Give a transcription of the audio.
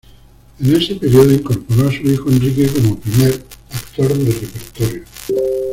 En ese periodo incorporó a su hijo Enrique como primer actor del repertorio.